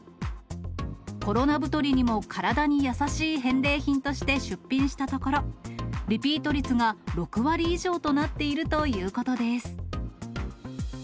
コロナ太りにも体に優しい返礼品として出品したところ、リピート率が６割以上となっているということです。